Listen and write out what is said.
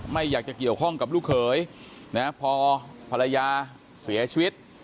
ไม่อยากจะเกี่ยวข้องกับลูกเขยนะพอภรรยาเสียชีวิต